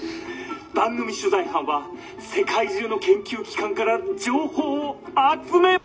「番組取材班は世界中の研究機関から情報を集め」。